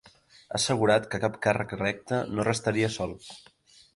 Ha assegurat que cap càrrec electe no restaria sol.